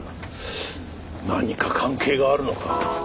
何か関係があるのか？